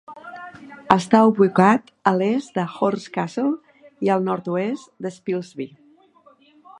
Està ubicat a l'est de Horncastle i al nord-oest de Spilsby.